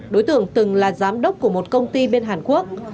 đối tượng từng là giám đốc của một công ty bên hàn quốc